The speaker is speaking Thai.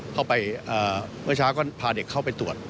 เข้าไปเมื่อเช้าก็พาเด็กเข้าไปตรวจ